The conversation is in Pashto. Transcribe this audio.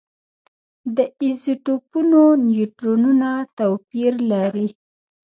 د ایزوټوپونو نیوټرونونه توپیر لري.